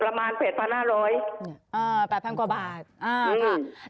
ประมาณเพจพันห้าร้อยเนี่ยอ่าแปดพันกว่าบาทอ่าค่ะ